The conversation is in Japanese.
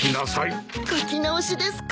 書き直しですか。